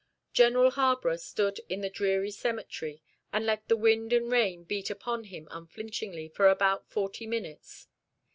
General Harborough stood in the dreary cemetery, and let the wind and rain beat upon him unflinchingly for about forty minutes.